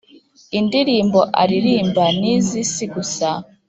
Indirimbo aririmba nizisi gusa